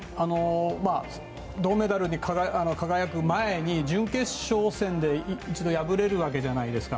銅メダルに輝く前に準決勝で一度敗れるわけじゃないですか。